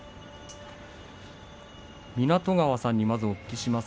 湊川さんに、まずお聞きします。